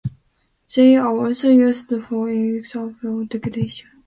They are also used for explosives detection.